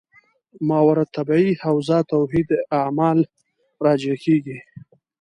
ماورا الطبیعي حوزه توحید اعمال راجع کېږي.